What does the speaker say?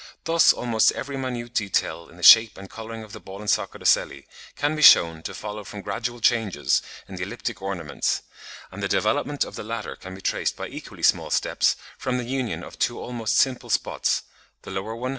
Thus almost every minute detail in the shape and colouring of the ball and socket ocelli can be shewn to follow from gradual changes in the elliptic ornaments; and the development of the latter can be traced by equally small steps from the union of two almost simple spots, the lower one (Fig.